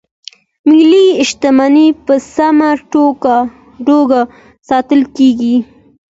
ملي شتمنۍ په سمه توګه ساتل کیږي.